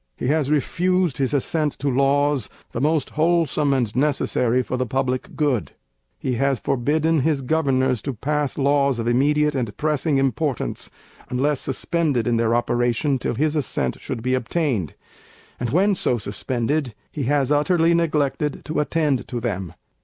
He has refused his Assent to Laws, the most wholesome and necessary for the public good. He has forbidden his Governors to pass Laws of immediate and pressing importance, unless suspended in their operation till his Assent should be obtained; and when so suspended, he has utterly neglected to attend to them.